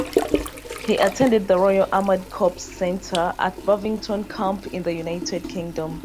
He attended the Royal Armoured Corps Centre at Bovington Camp in the United Kingdom.